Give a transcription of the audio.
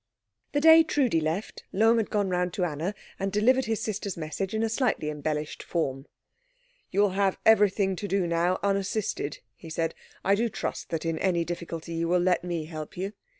The day Trudi left, Lohm had gone round to Anna and delivered his sister's message in a slightly embellished form. "You will have everything to do now unassisted," he said. "I do trust that in any difficulty you will let me help you.